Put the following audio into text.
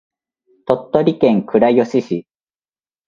鳥取県倉吉市